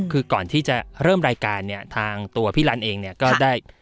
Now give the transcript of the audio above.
คือก่อนที่จะเริ่มรายการเนี่ยทางตัวพี่ลันเองเนี่ยก็ได้